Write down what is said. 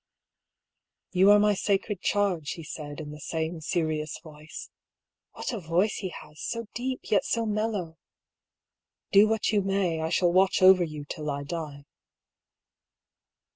" You are my sacred charge," he said, in the same serious voice. What a voice he has — so deep, yet so mellow !" Do what you may, I shall watch over you till I die."